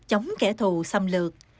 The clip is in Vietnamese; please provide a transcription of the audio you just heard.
chống kẻ thù xâm lược